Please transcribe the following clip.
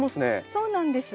そうなんです。